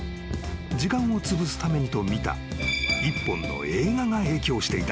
時間をつぶすためにと見た一本の映画が影響していた］